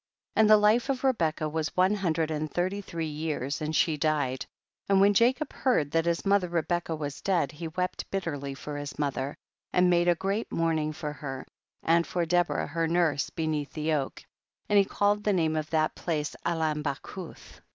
6. And the hfe of Rebecca was one hundred and thirty three years, and she died and when Jacob heard THE BOOK OP JASHER. 107 that his mother Rebecca was dead he wept bitterly for his mother, and made a great mourning for lier, and for Deborah her nurse beneatli the oak, and he called the name of that place Allon bachulh.